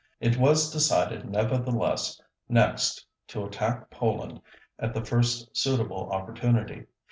It was decided nevertheless next to attack Poland at the first suitable opportunity.